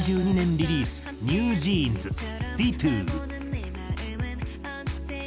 リリースＮｅｗＪｅａｎｓ『Ｄｉｔｔｏ』。